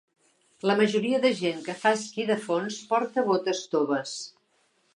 La majoria de gent que fa esquí de fons porta botes toves.